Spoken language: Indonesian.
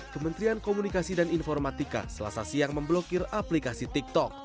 kementerian komunikasi dan informatika selasa siang memblokir aplikasi tiktok